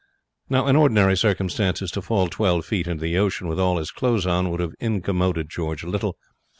Now, in ordinary circumstances, to fall twelve feet into the ocean with all his clothes on would have incommoded George little.